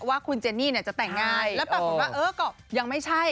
ว่าคุณเจนี่เนี่ยจะแต่งงานแล้วปรากฏว่าเออก็ยังไม่ใช่